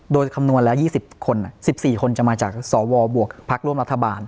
โดยคำนวณแล้ว๒๔คนจะมาจากสวพรร